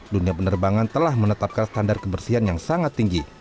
dunia penerbangan telah menetapkan standar kebersihan yang sangat tinggi